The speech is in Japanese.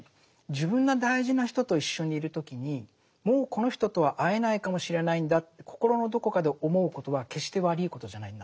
自分の大事な人と一緒にいる時にもうこの人とは会えないかもしれないんだって心のどこかで思うことは決して悪いことじゃないんだと思うんですよね。